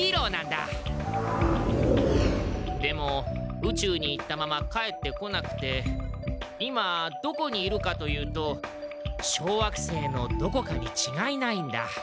でも宇宙に行ったまま帰ってこなくて今どこにいるかというと小惑星のどこかにちがいないんだ。